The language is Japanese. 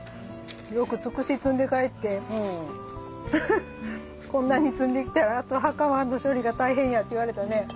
よくツクシ摘んで帰ってこんなに摘んできたらあとハカマの処理が大変やって言われたね。